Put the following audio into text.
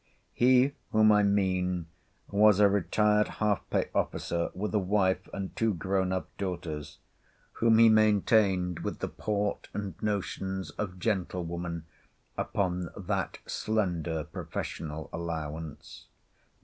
He whom I mean was a retired half pay officer, with a wife and two grown up daughters, whom he maintained with the port and notions of gentlewomen upon that slender professional allowance.